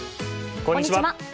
こんにちは。